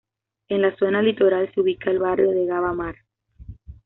En la zona litoral se ubica el barrio de Gavá Mar.